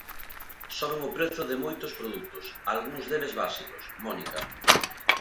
Soben o prezo de moitos produtos, algúns deles básicos, Mónica.